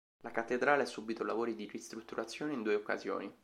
La Cattedrale ha subito lavori di ristrutturazione in due occasioni.